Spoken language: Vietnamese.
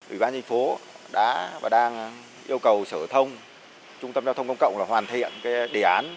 ủy ban thành phố đã và đang yêu cầu sở thông trung tâm giao thông công cộng hoàn thiện đề án